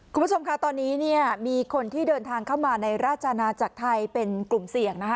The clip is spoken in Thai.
คุณผู้ชมค่ะตอนนี้เนี่ยมีคนที่เดินทางเข้ามาในราชนาจักรไทยเป็นกลุ่มเสี่ยงนะคะ